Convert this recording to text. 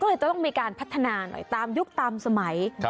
ก็เลยจะต้องมีการพัฒนาหน่อยตามยุคตามสมัย